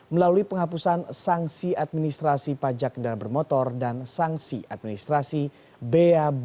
melalui penghapusan sanksi administrasi pajak kendaraan bermotor dan sanksi administrasi bea balik nama kendaraan bermotor